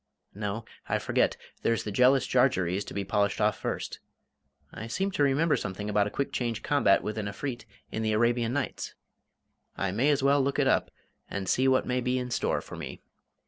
No, I forget; there's the jealous Jarjarees to be polished off first. I seem to remember something about a quick change combat with an Efreet in the "Arabian Nights." I may as well look it up, and see what may be in store for me."